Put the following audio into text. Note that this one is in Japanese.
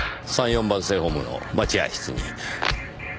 番線ホームの待合室に。